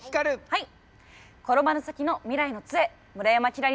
はい。